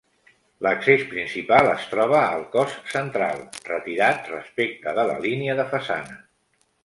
L'accés principal es troba al cos central, retirat respecte de la línia de façana.